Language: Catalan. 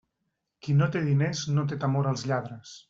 Qui no té diners no té temor als lladres.